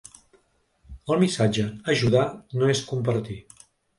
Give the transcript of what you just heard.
El missatge Ajudar no és compartir.